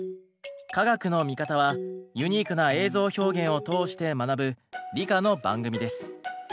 「カガクノミカタ」はユニークな映像表現を通して学ぶ理科の番組です。